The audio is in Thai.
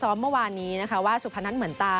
เมื่อวานนี้นะคะว่าสุพนัทเหมือนตา